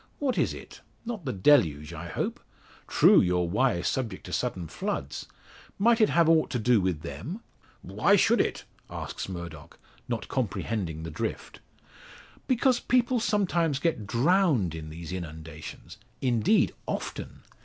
What is it? Not the deluge, I hope! True, your Wye is subject to sudden floods; might it have ought to do with them?" "Why should it?" asks Murdock, not comprehending the drift. "Because people sometimes get drowned in these inundations; indeed, often.